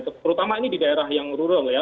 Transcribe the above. terutama ini di daerah yang rural ya